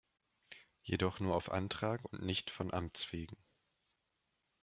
Jedoch nur auf Antrag und nicht von Amts wegen.